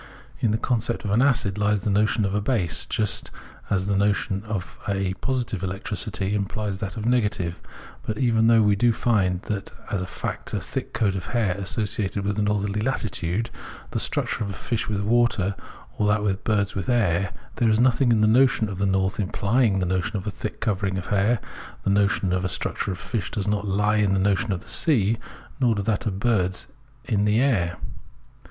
In the con cept of an acid lies the notion of a base, just as the notion of positive electricity implies that of negative ; but even though we do find as a fact a thick coat of hair associated with northerly latitudes, the structure of a fish with water, or that of birds with air, there is nothing in the notion of the north implying the notion of a thick covering of hair, the notion of the structure of fish does not he in the notion of the sea, nor that of birds in that of the air.